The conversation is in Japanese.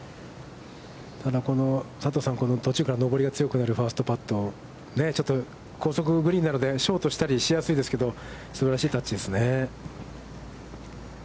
ただ、この佐藤さん、途中から上りが強くなって、ファーストパット、ちょっと高速グリーンなので、ショートしたりしやすいですけど、すばらしいタッチですね。